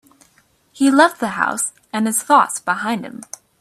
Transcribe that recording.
He left the house and his thoughts behind him.